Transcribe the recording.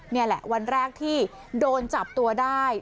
นี่แหละวันแรกที่โดนจับตัวได้